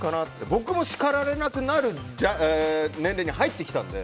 僕も叱られなくなる年齢に入ってきたんで。